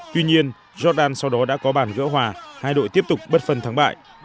tuy nhiên jordan sau đó đã có bản gỡ hòa hai đội tiếp tục bất phân thắng bại